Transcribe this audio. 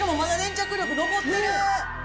しかもまだ粘着力残ってる。